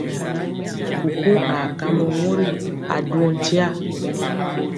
Kukuŋ aa kambɔ mori a duwɔ nkya.